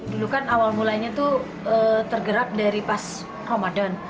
dulu kan awal mulanya tuh tergerak dari pas ramadan